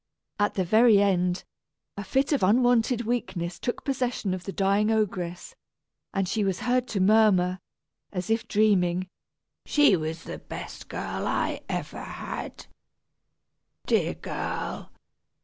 At the very end, a fit of unwonted weakness took possession of the dying ogress, and she was heard to murmur, as if dreaming, "She was the best I ever had. Dear girl!